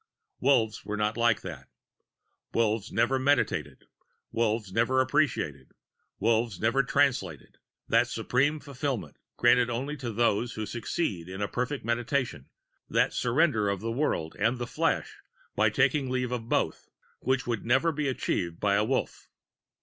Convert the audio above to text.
Wolves were not like that. Wolves never meditated, Wolves never Appreciated, Wolves never were Translated that supreme fulfillment, granted only to those who succeeded in a perfect meditation, that surrender of the world and the flesh by taking leave of both, which could never be achieved by a Wolf.